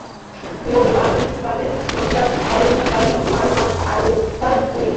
মোর বাফের নামডা কালুমাঝি, মায়ের নাম আলেহা পরি।।